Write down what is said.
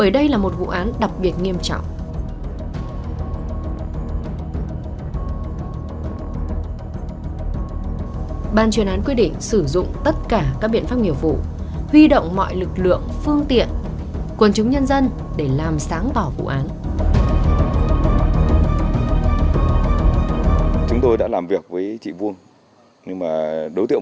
đây là một vụ án nghiêm trọng càng phá án muộn thì càng gây dư luận xấu trong nhân dân